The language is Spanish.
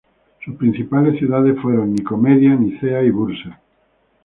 Sus principales ciudades fueron Nicomedia, Nicea y Bursa.